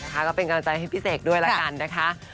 ก็เป็นกำลังใจให้พี่เสกด้วยละกันนะคะ